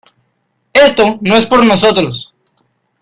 esto no es por nosotros